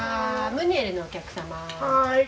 ムニエルのお客様。